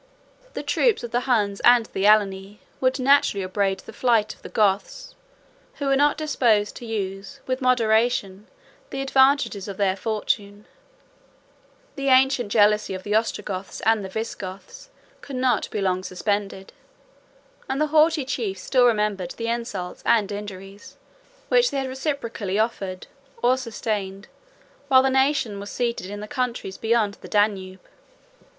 The troops of the Huns and the Alani would naturally upbraid the flight of the Goths; who were not disposed to use with moderation the advantages of their fortune; the ancient jealousy of the Ostrogoths and the Visigoths could not long be suspended; and the haughty chiefs still remembered the insults and injuries, which they had reciprocally offered, or sustained, while the nation was seated in the countries beyond the Danube.